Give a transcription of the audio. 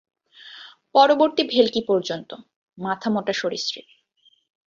পরবর্তী ভেলকি পর্যন্ত, মাথামোটা সরীসৃপ।